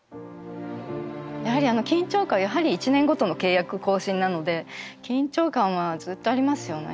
やはりあの緊張感１年ごとの契約更新なので緊張感はずっとありますよね。